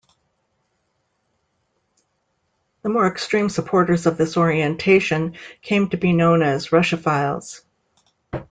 The more extreme supporters of this orientation came to be known as "Russophiles".